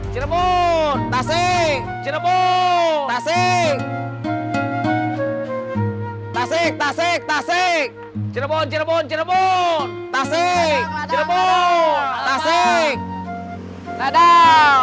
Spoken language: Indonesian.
cirebon tasik cirebon tasik tasik tasik tasik cirebon cirebon cirebon tasik cirebo tasik sadang